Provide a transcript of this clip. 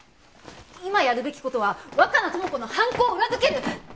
今やるべき事は若名友子の犯行を裏づける！